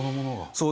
そう。